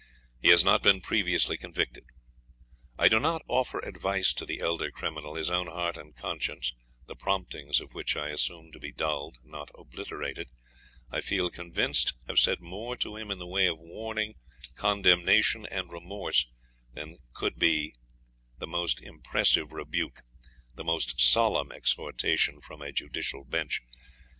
He has not been previously convicted. I do not offer advice to the elder criminal; his own heart and conscience, the promptings of which I assume to be dulled, not obliterated, I feel convinced, have said more to him in the way of warning, condemnation, and remorse than could the most impressive rebuke, the most solemn exhortation from a judicial bench.